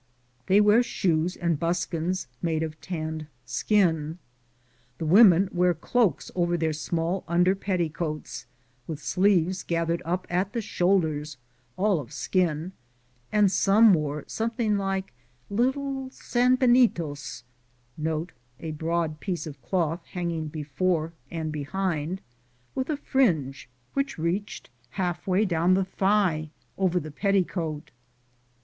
They wear shoes and buskins made of tanned skin. The women wear cloaks over their small under petticoats, with sleeves gathered up at the shoulders, all of skin, and some wore something like little sanbenitos 1 with a fringe, which reached half way down the thigh over the petticoat.